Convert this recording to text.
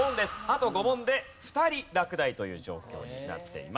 あと５問で２人落第という状況になっています。